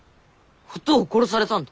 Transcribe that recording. おとうを殺されたんだ！